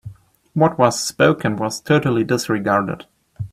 What was spoken was totally disregarded.